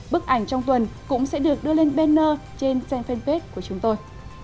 bức ảnh trong tuần cũng sẽ được đưa lên banner trên fanpage của chúng tôi